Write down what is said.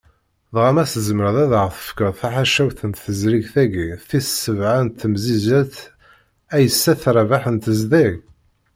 Dɣa, ma tzemmreḍ ad aɣ-tefkeḍ taḥawact n tezrigt-agi tis sebɛa n temsizzelt Aysat Rabaḥ n tezdeg?